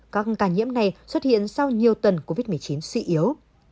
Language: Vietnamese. các ca nhiễm này xuất hiện sau nhiều tuần covid một mươi chín suy yếu